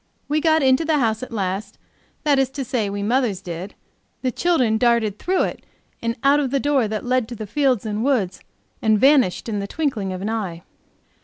We got into the house at last; that is to say, we mothers did; the children darted through it and out of the door that led to the fields and woods, and vanished in the twinkling of an eye.